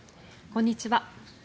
こんにちは。